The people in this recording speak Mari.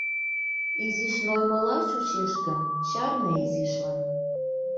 Изиш нойымыла чучеш гын, чарне изишлан.